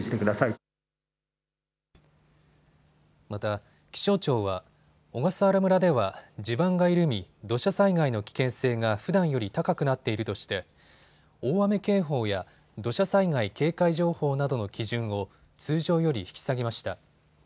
また気象庁は小笠原村では地盤が緩み土砂災害の危険性がふだんより高くなっているとして大雨警報や土砂災害警戒情報などの基準を通常より引き下げました。